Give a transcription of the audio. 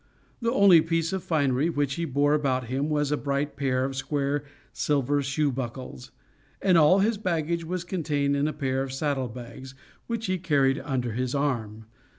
The only piece of finery which he bore about him was a bright pair of square silver shoe buckles; and all his baggage was contained in a pair of saddle bags, which he carried under his arm.